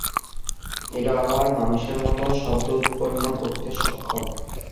এরা আবার মানুষের মত শব্দ উৎপন্ন করতে সক্ষম।